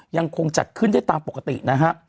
ยังคงจัดขึ้นได้ตามปกตินะฮะ